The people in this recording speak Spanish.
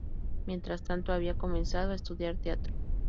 Mientras tanto había comenzado a estudiar teatro.